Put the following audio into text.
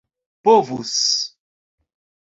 povus